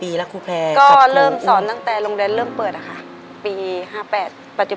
ในแคมเปญพิเศษเกมต่อชีวิตโรงเรียนของหนู